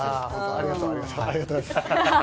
ありがとうございます。